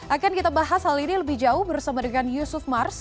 akan kita bahas hal ini lebih jauh bersama dengan yusuf mars